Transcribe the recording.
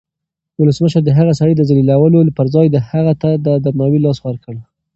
ولسمشر د هغه سړي د ذلیلولو پر ځای هغه ته د درناوي لاس ورکړ.